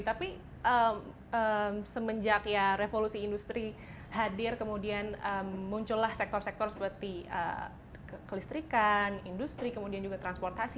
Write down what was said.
tapi semenjak ya revolusi industri hadir kemudian muncullah sektor sektor seperti kelistrikan industri kemudian juga transportasi